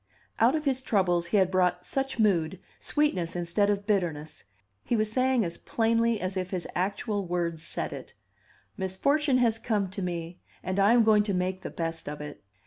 Out of his troubles he had brought such mood, sweetness instead of bitterness; he was saying as plainly as if his actual words said it, "Misfortune has come to me, and I am going to make the best of it."